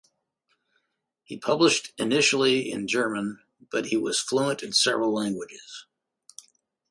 He published initially in German but he was fluent in several languages.